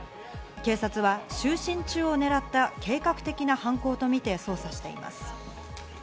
警察は就寝中をねらった計画的な犯行とみて捜査しています。